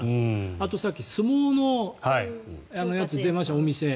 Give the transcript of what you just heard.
あとさっき、相撲のやつ出ましたよね、お店。